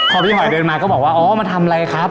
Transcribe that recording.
พอพี่หอยเดินมาก็บอกว่าอ๋อมาทำอะไรครับ